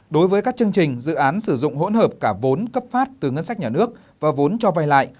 đối với các chương trình dự án sử dụng hỗn hợp cả vốn cấp phát từ ngân sách nhà nước và vốn cho vay lại